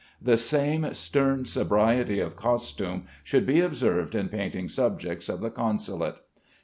The same stern sobriety of costume should be observed in painting subjects of the Consulate.